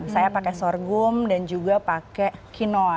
saya pakai sorghum dan juga pakai kinoa